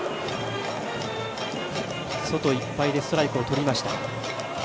外いっぱいでストライクをとりました。